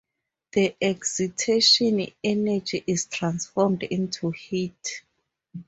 The excitation energy is transformed into heat.